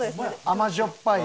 甘じょっぱい。